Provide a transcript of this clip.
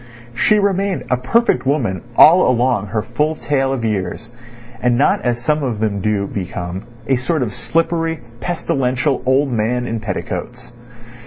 She remained a perfect woman all along her full tale of years, and not as some of them do become—a sort of slippery, pestilential old man in petticoats.